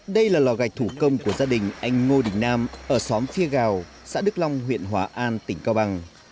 đây là lò gạch thủ công của gia đình anh ngô đình nam ở xóm phi gào xã đức long huyện hòa an tỉnh cao bằng